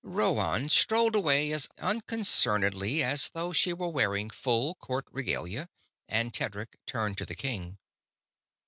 Rhoann strolled away as unconcernedly as though she were wearing full court regalia, and Tedric turned to the king.